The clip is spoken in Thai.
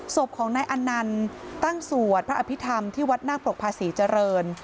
ศพของนายอนันต์ตั้งสวดพระอภิษฐรรมที่วัดนาคปรกภาษีเจริญ